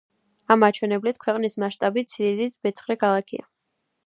ამ მაჩვენებლით, ქვეყნის მასშტაბით სიდიდით მეცხრე ქალაქია.